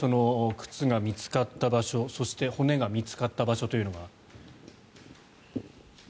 靴が見つかった場所そして骨が見つかった場所というのが。